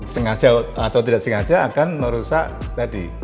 sengaja atau tidak sengaja akan merusak tadi